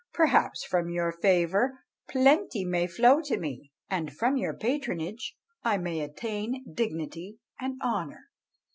Perhaps from your favour plenty may flow to me, and from your patronage I may attain dignity and honour.